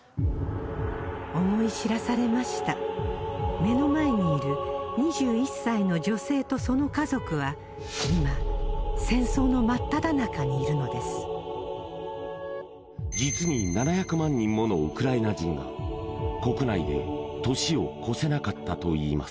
目の前にいる２１歳の女性とその家族は今戦争の真っただ中にいるのです実に７００万人ものウクライナ人が国内で年を越せなかったといいます